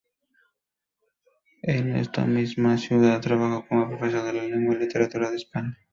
En esta misma ciudad trabajó como profesor de Lengua y Literatura de España.